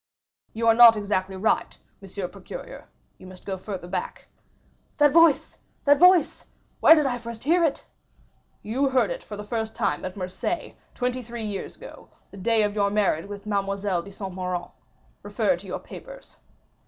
"You are not exactly right, M. Procureur; you must go farther back." "That voice, that voice!—where did I first hear it?" "You heard it for the first time at Marseilles, twenty three years ago, the day of your marriage with Mademoiselle de Saint Méran. Refer to your papers."